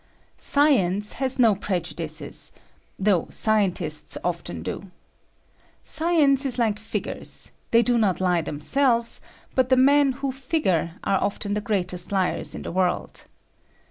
Science has no prejudices — though scientists often do. Science is like figures : they do not lie themselves, but the men who figure are often the greatest liars in the world.